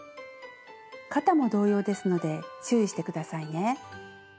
肩も同様ですので注意して下さいね。